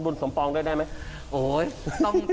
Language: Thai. พี่บอกว่าบ้านทุกคนในที่นี่